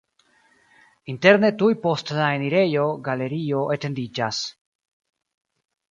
Interne tuj post la enirejo galerio etendiĝas.